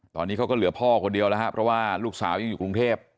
ตอนนี้เขาก็เหลือพ่อคนเดียวแล้วครับเพราะว่าลูกสาวยังอยู่กรุงเทพ